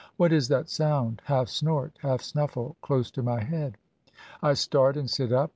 What is that sound, half snort, half snuffle, close to my head? I start, and sit up.